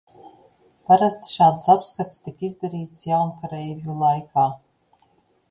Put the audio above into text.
Parasti šādas apskates tika izdarītas jaunkareivju laikā.